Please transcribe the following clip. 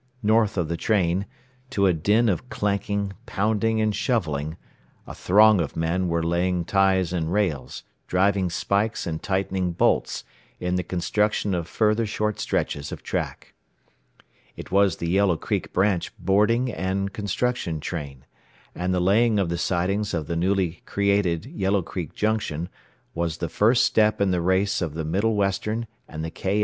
North of the train, to a din of clanking, pounding and shoveling, a throng of men were laying ties and rails, driving spikes and tightening bolts, in the construction of further short stretches of track. It was the Yellow Creek branch "boarding" and construction train, and the laying of the sidings of the newly created Yellow Creek Junction was the first step in the race of the Middle Western and the K.